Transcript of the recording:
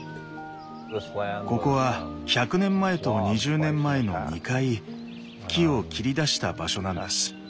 ここは１００年前と２０年前の２回木を切り出した場所なんです。